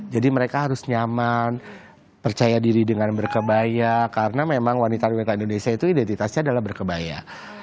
jadi mereka harus nyaman percaya diri dengan berkebaya karena memang wanita wanita indonesia itu identitasnya adalah berkebaya